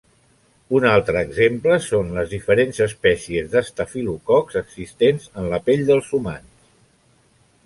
Un altre exemple són les diferents espècies d'estafilococs existents en la pell dels humans.